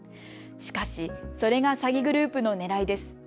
しかし、それが詐欺グループのねらいです。